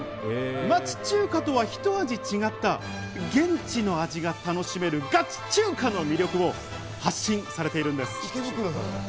ガチ中華とはひと味違った現地の味が楽しめるガチ中華の魅力を発信されているんです。